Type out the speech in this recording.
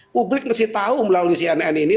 publik mesti tahu melalui cnn ini